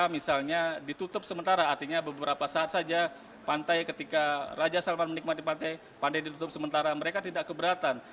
misalnya ditutup sementara artinya beberapa saat saja pantai ketika raja salman menikmati pantai ditutup sementara mereka tidak keberatan